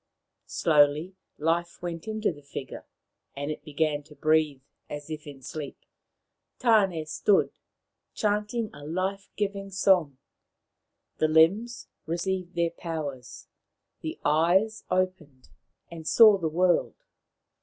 Slowly life went into the figure, and it began to breathe as if in sleep. Tan6 stood, chanting a life giving song. The limbs received their powers, the eyes opened and saw the world.